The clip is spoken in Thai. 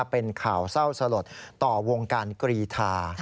เป็นข่าวเศร้าสลดต่อวงการกรีธา